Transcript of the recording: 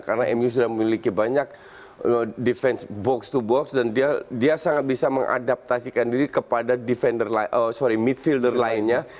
karena mu sudah memiliki banyak defense box to box dan dia sangat bisa mengadaptasikan diri kepada midfielder lainnya